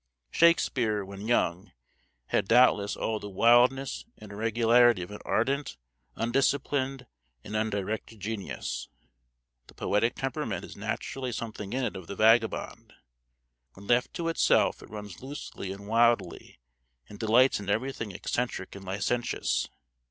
Shakespeare, when young, had doubtless all the wildness and irregularity of an ardent, undisciplined, and undirected genius. The poetic temperament has naturally something in it of the vagabond. When left to itself it runs loosely and wildly, and delights in everything eccentric and licentious.